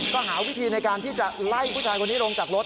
ก็หาวิธีในการที่จะไล่ผู้ชายคนนี้ลงจากรถ